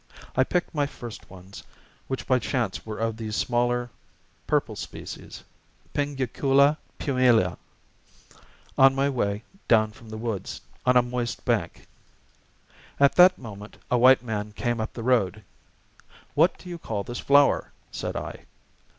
I picked my first ones, which by chance were of the smaller purple species (Pinguicula pumila), on my way down from the woods, on a moist bank. At that moment a white man came up the road. "What do you call this flower?" said I.